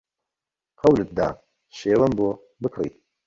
قەولت دا شێوم بۆ بکڕی